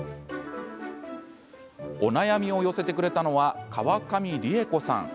お悩みを寄せてくれたのは川上りえ子さん。